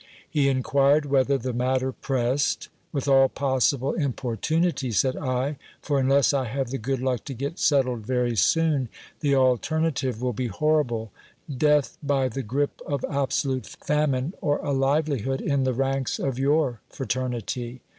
He in quired whether the matter pressed. With all possible importunity, said I, for unless I have the good luck to get settled very soon, the alternative will be horrible ; death by the gripe of absolute famine, or a livelihood in the ranks of your fraternity.